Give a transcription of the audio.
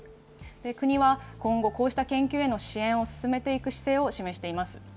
国は今後、こうした研究への支援を進めていく姿勢を示しています。